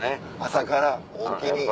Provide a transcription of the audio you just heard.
「朝からおおきに」。